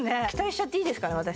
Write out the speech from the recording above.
期待しちゃっていいですかね